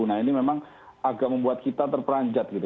nah ini memang agak membuat kita terperanjat gitu